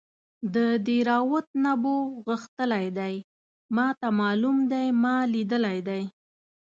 د دیراوت نبو غښتلی دی ماته معلوم دی ما لیدلی دی.